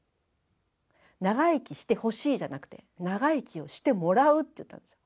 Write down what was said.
長生きしてほしいじゃなくて長生きをしてもらうって言ったんですよ。